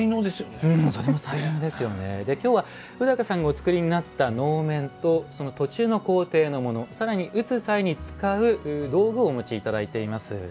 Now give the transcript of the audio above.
今日は宇高さんがおつくりになった能面と途中の工程のものさらに打つ際に使う道具をお持ちいただいています。